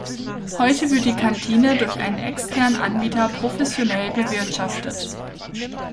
Heute wird die Kantine durch einen externen Anbieter professionell bewirtschaftet.